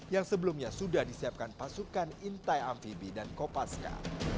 yang sebelumnya sudah disiapkan pasukan intai amfibi dan kopaska